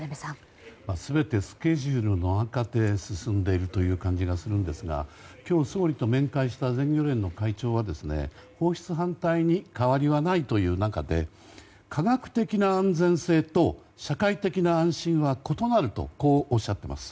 全て、スケジュールの中で進んでいるという感じがしますが今日、総理と面会した全漁連の会長は放出反対に変わりはないという中で科学的な安全性と社会的な安心は異なるとおっしゃっています。